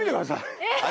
えっ。